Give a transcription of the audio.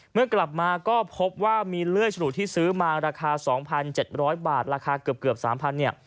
เมื่อกลับมาก็พบว่ามีเลื่อยสลุที่ซื้อมาราคา๒๗๐๐บาทราคาเกือบ๓๐๐เนี่ย